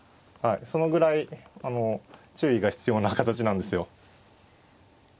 そのぐらい注意が必要な形なんですよ。